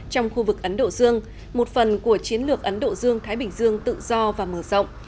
trong khu vực ấn độ dương một phần của chiến lược ấn độ dương thái bình dương tự do và mở rộng